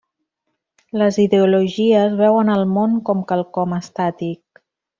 Les ideologies veuen el món com quelcom estàtic.